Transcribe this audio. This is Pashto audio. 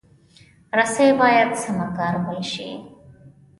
رسۍ باید سمه کارول شي.